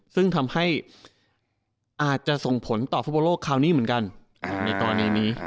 ซึ่งทำให้อาจจะส่งผลต่อฟุตบอลโลกคราวนี้เหมือนกันในกรณีนี้